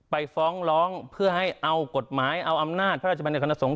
ไปฟ้องร้องเพื่อให้เอากฎหมายเอาอำนาจพระราชบัญญคณะสงฆ